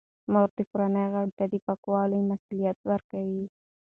مور د کورنۍ غړو ته د پاکولو مسوولیت ورکوي.